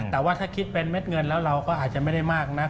แต่ว่าถ้าคิดเป็นเม็ดเงินแล้วเราก็อาจจะไม่ได้มากนัก